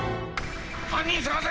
犯人捜せ！